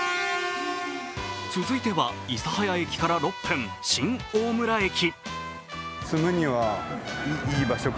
続いては、諫早駅から６分、新大村駅。